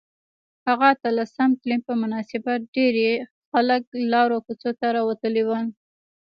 د هغه اتلسم تلین په مناسبت ډیرۍ خلک لارو او کوڅو ته راوتلي ول